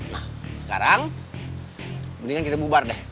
nah sekarang mendingan kita bubar deh